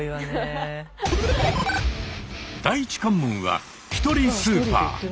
第一関門は「ひとりスーパー」！